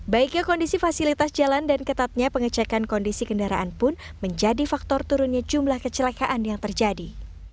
baiknya kondisi fasilitas jalan dan ketatnya pengecekan kondisi kendaraan pun menjadi faktor turunnya jumlah kecelakaan yang terjadi